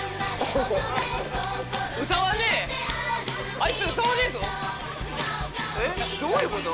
あいつ歌わねえぞ。えっどういうこと？